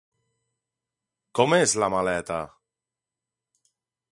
Com és la maleta?